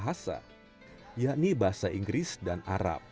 yang pertama adalah bahasa yakni bahasa inggris dan arab